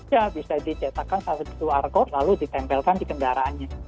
ya bisa dicetakkan lalu ditempelkan di kendaraannya